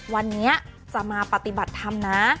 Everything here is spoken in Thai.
วันนี้จะมาปฏิบัติธรรมนะ